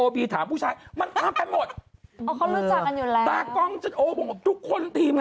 พี่ไทดูหน้าโดมหน่อยดูหน้าพี่โดม